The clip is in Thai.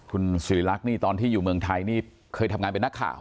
คุณสิริรักษ์นี่ตอนที่อยู่เมืองไทยนี่เคยทำงานเป็นนักข่าว